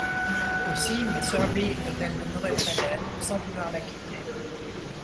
Aussi, miss Herbey est-elle demeurée près d’elle, sans vouloir la quitter.